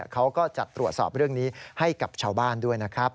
เขาก็จะตรวจสอบเรื่องนี้ให้กับชาวบ้านด้วยนะครับ